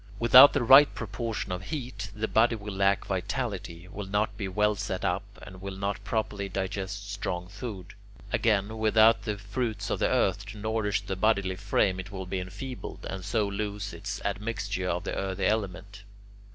Without the right proportion of heat, the body will lack vitality, will not be well set up, and will not properly digest strong food. Again, without the fruits of the earth to nourish the bodily frame, it will be enfeebled, and so lose its admixture of the earthy element.